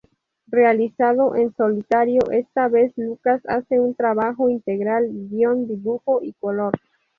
Realizado en solitario, esta vez Lucas hace un trabajo integral: guión, dibujo y color.